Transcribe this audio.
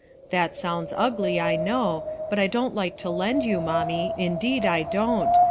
That sounds ugly, I know, but I don't like to lend you, mommie, indeed I don't.